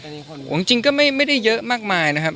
แต่นีคนหรือจริงจริงก็ไม่ไม่ได้เยอะมากมายนะครับ